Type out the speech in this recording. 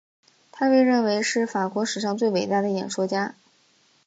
他被认为是法国史上最伟大的演说家。